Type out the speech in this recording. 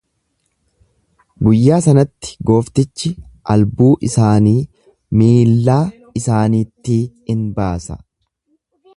Guyyaa sanatti gooftichi albuu isaanii miillaa isaaniittii in baasa.